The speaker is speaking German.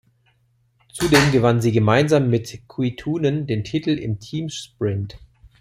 Zudem gewann sie gemeinsam mit Kuitunen den Titel im Teamsprint.